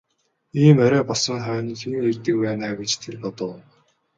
Ийм орой болсон хойно хэн ирдэг байна аа гэж тэр бодов.